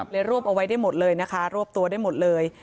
รวบเอาไว้ได้หมดเลยนะคะรวบตัวได้หมดเลย